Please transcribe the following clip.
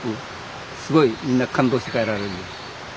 すごいみんな感動して帰られる。